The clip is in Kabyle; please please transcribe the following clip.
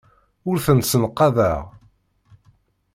Ur tent-ssenqaḍeɣ.